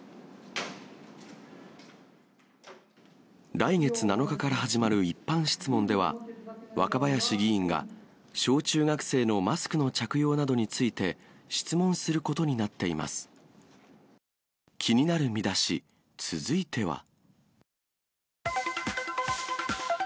来月７日から始まる一般質問では、若林議員が小中学生のマスクの着用などについて、質問することになっています。